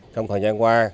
trong thời gian qua